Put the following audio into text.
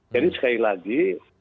jadi sekali lagi